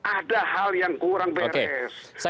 ada hal yang kurang beres